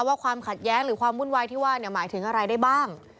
ความขัดแย้งหรือความวุ่นวายที่ว่าหมายถึงอะไรได้บ้าง